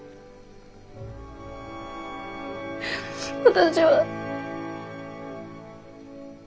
私は。